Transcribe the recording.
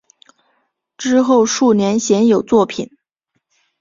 之后数年鲜有作品。